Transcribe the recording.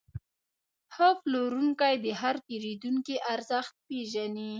ښه پلورونکی د هر پیرودونکي ارزښت پېژني.